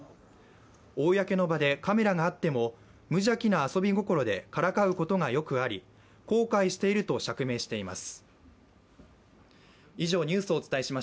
公の場でカメラがあっても、無邪気な遊び心でからかうことがよくあり後悔していると釈明しています。